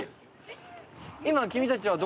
今君たちは。